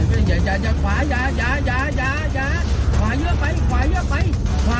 เหรอคะ